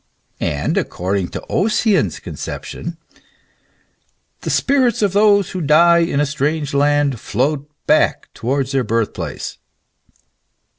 And according to Ossian's conception " the spirits of those who die in a strange land float back towards their birth place.